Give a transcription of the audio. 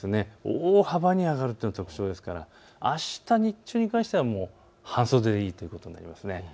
大幅に上がるのが特徴ですからあした日中に関しては半袖でいいということになります。